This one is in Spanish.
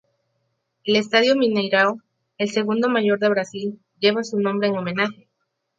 El estadio Mineirão, el segundo mayor de Brasil, lleva su nombre en homenaje.